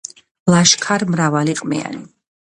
ლაშქარ-მრავალი, ყმიანი